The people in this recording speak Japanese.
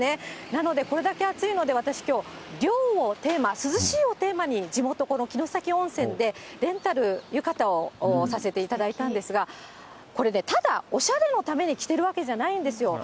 なので、これだけ暑いので、私、きょう涼をテーマ、涼しいをテーマに、地元、この城崎温泉で、レンタル浴衣をさせていただいたんですが、これ、ただおしゃれのために着ているわけじゃないんですよ。